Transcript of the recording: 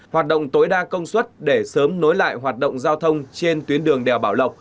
hoạt động tối đa công suất để sớm nối lại hoạt động giao thông trên tuyến đường đèo bảo lộc